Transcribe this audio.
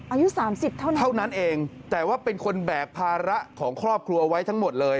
อายุสามสิบเท่านั้นแต่ว่าเป็นคนแบกภาระของครอบครัวไว้ทั้งหมดเลย